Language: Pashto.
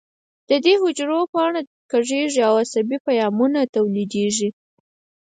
د دې حجرو باڼه کږېږي او عصبي پیغامونه تولیدېږي.